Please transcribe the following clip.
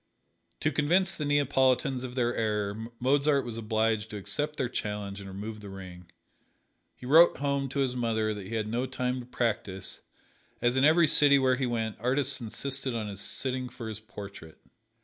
To convince the Neapolitans of their error Mozart was obliged to accept their challenge and remove the ring. He wrote home to his mother that he had no time to practise, as in every city where he went artists insisted on his sitting for his portrait.